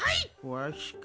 わしか？